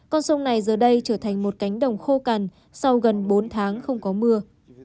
con sông này giờ đây trở thành một cánh đồng khô cằn sau gần bốn tháng không có mưa